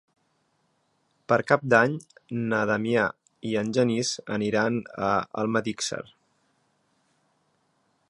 Per Cap d'Any na Damià i en Genís aniran a Almedíxer.